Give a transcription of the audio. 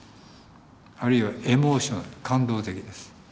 あるいはエモーショナル感動的です。